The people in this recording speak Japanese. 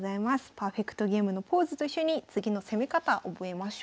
パーフェクトゲームのポーズと一緒に次の攻め方覚えましょう。